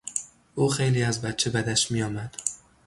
او خیلی از بچه بدش میآمد.